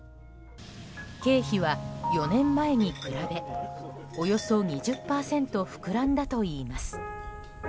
経費は４年前に比べおよそ２０％膨らんだといいます。